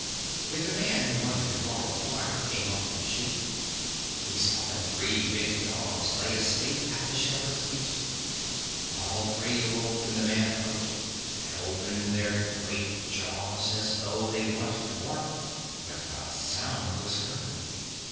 "When the man who wanted to borrow fire came up to the sheep, he saw that three big dogs lay asleep at the shepherd's feet. All three awoke when the man approached and opened their great jaws, as though they wanted to bark; but not a sound was heard.